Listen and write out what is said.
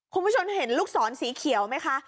คุณผู้ชมเห็นลูกศรสีเขียวไหมคะ